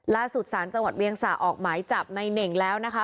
สารจังหวัดเวียงสะออกหมายจับในเน่งแล้วนะคะ